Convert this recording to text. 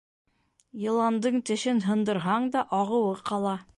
Йыландың тешен һындырһаң да, ағыуы ҡала.